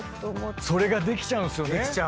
それができちゃうんすよね。